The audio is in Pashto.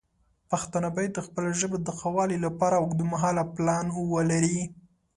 پښتانه باید د خپلې ژبې د ښه والی لپاره اوږدمهاله پلان ولري.